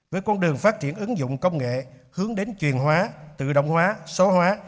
với con đường phát triển ứng dụng công nghệ hướng đến truyền hóa tự động hóa số hóa